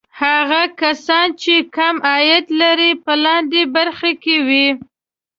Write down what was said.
هغه کسان چې کم عاید لري په لاندې برخه کې وي.